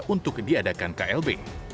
untuk diadakan klb